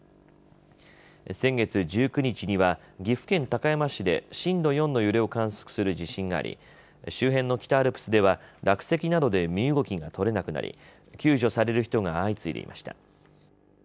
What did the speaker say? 先月１９日には岐阜県高山市で震度４の揺れを観測する地震があり、周辺の北アルプスでは落石などで身動きが取れなくなり救助される人が相次いでいました。